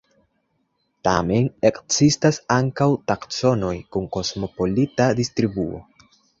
Tamen ekzistas ankaŭ taksonoj kun kosmopolita distribuo.